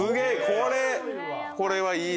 これはいいな。